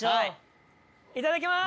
いただきます。